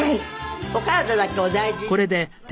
お体だけお大事にね。